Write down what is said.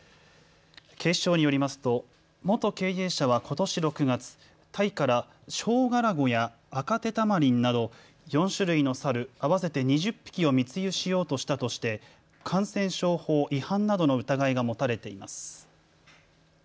警視庁によりますと元経営者はことし６月、タイからショウガラゴやアカテタマリンなど４種類の猿合わせて２０匹を密輸しようとしたとして感染症法違反などの疑いが持たれています。